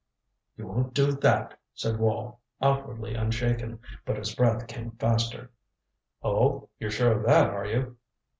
"You won't do that," said Wall, outwardly unshaken, but his breath came faster. "Oh you're sure of that, are you?"